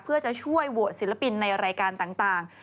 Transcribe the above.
เพื่อจะช่วยโหวตศิลปินในรายการต่าง